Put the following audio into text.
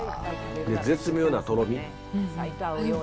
絶妙なとろみ。